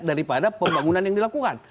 daripada pembangunan yang dilakukan